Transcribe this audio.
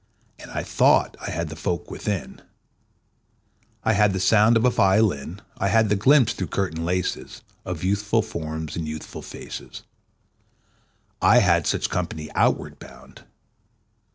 And I thought I had the folk within: I had the sound of a violin; I had a glimpse through curtain laces Of youthful forms and youthful faces. I had such company outward bound.